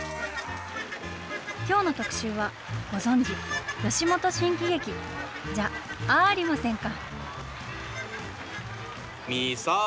きょうの特集はご存じ、吉本新喜劇じゃあーりませんか。